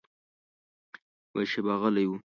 یوه شېبه غلی و.